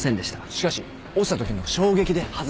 しかし落ちたときの衝撃で外れたのかも。